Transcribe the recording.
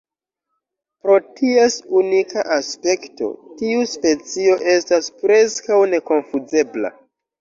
Pro ties unika aspekto, tiu specio estas preskaŭ nekonfuzebla.